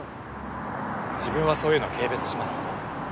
自分はそういうの軽蔑します